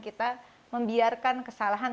kita membiarkan kesalahan